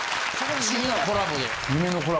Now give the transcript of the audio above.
不思議なコラボで。